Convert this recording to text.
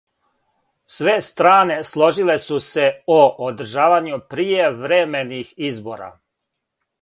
Све стране сложиле су се о одржавању пријевремених избора.